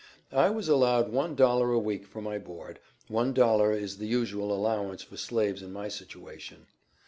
I was allowed one dollar a week for my board; one dollar is the usual allowance for slaves in my situation.